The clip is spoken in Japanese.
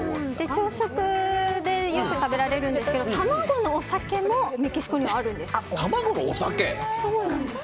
朝食でよく食べられるんですが卵のお酒もメキシコにはあるんです。